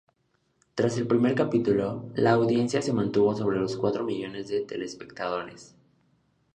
Tras el primer capítulo, la audiencia se mantuvo sobre los cuatro millones de telespectadores.